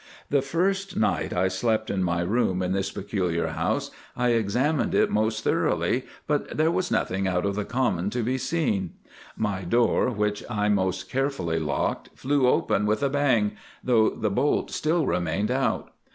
The first night I slept in my room in this peculiar house I examined it most thoroughly, but there was nothing out of the common to be seen. My door, which I most carefully locked, flew open with a bang, though the bolt still remained out.